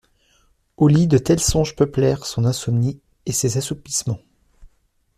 Au lit, de tels songes peuplèrent son insomnie et ses assoupissements.